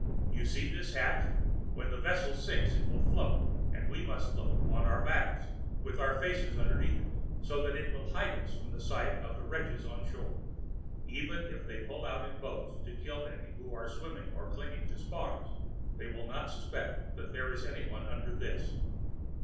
You see this hatch; when the vessel sinks it will float, and we must float on our backs with our faces underneath it, so that it will hide us from the sight of the wretches on shore. Even if they put out in boats to kill any who may be swimming or clinging to spars, they will not suspect that there is anyone under this.